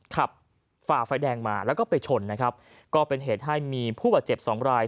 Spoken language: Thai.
ฝ่าไฟแดงมาแล้วก็ไปชนนะครับก็เป็นเหตุให้มีผู้บาดเจ็บสองราย